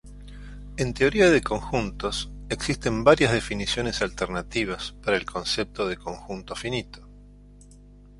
En teoría de conjuntos existen varias definiciones alternativas para el concepto de conjunto finito.